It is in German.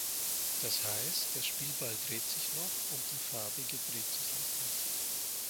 Das heißt, der Spielball dreht sich noch, und der Farbige dreht sich noch nicht.